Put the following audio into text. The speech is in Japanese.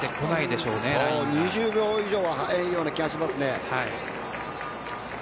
２０秒以上速いような気がします。